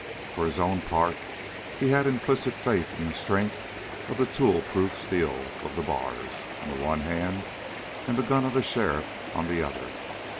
For his own part he had implicit faith in the strength of the toolproof steel of the bars on the one hand, and the gun of the sheriff on the other.